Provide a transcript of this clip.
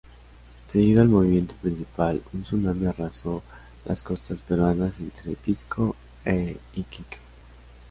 Seguido al movimiento principal, un tsunami arrasó las costas peruanas entre Pisco e Iquique.